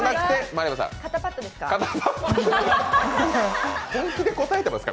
肩パットですか？